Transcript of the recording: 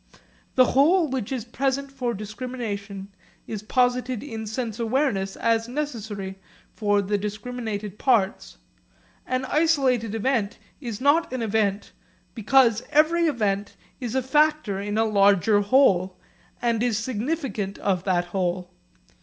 The whole which is present for discrimination is posited in sense awareness as necessary for the discriminated parts. An isolated event is not an event, because every event is a factor in a larger whole and is significant of that whole.